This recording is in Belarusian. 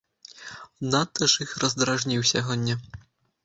Надта ж іх раздражніў сягоння.